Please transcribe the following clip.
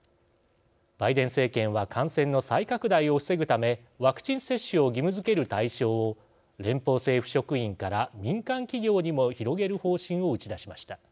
バイデン政権は感染の再拡大を防ぐためワクチン接種を義務づける対象を連邦政府職員から民間企業にも広げる方針を打ち出しました。